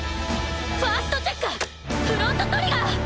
ファーストチェックフロントトリガー！